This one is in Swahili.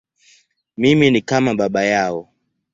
Mimi ni kama baba yao.